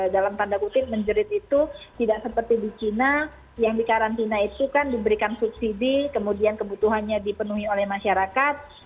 dalam tanda kutip menjerit itu tidak seperti di china yang dikarantina itu kan diberikan subsidi kemudian kebutuhannya dipenuhi oleh masyarakat